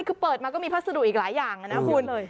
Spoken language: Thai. คือเปิดมาก็มีพัสดุอีกหลายอย่างนะคุณ